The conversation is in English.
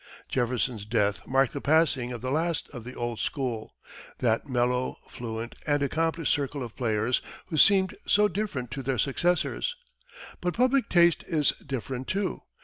Jefferson's death marked the passing of the last of the "old school" that mellow, fluent, and accomplished circle of players who seem so different to their successors. But public taste is different too.